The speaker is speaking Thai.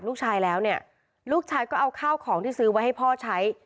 ลูกชายแล้วเนี่ยลูกชายก็เอาข้าวของที่ซื้อไว้ให้พ่อใช้